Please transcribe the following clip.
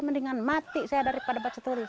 mendingan mati saya daripada batu tulis